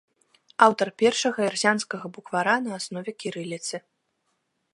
Аўтар першага эрзянскага буквара на аснове кірыліцы.